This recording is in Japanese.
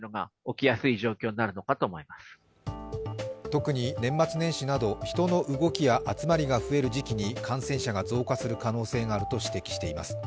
特に年末年始など人の動きや集まりが増える時期に感染者が増加する可能性があると指摘しています。